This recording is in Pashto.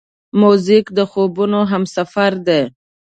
موزیک د خوبونو همسفر دی.